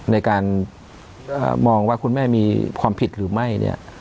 ในการมองว่าคุณแม่มีความผิดหรือไม่เนี่ย